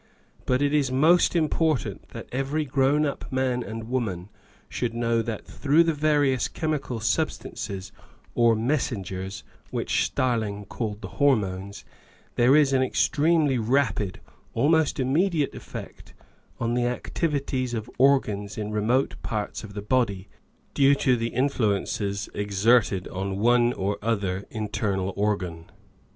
But it is most important that every grown up man and woman should know that through the various chemical substances or " messengers " (which Starling called the hormones) there is an ex tremely rapid, almost immediate, effect on the activi ties of organs in remote parts of the body, due to the influences exerted on one or other internal organ.